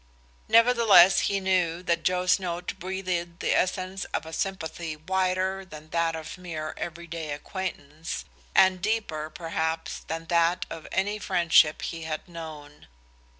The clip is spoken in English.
Nevertheless he knew that Joe's note breathed the essence of a sympathy wider than that of mere every day acquaintance, and deeper, perhaps, than that of any friendship he had known.